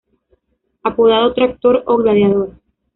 Apodado Tractor o Gladiador.